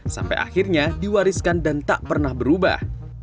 sampai akhirnya diwariskan dan tak pernah berubah